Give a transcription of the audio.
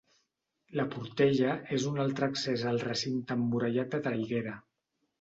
La Portella és un altre accés al recinte emmurallat de Traiguera.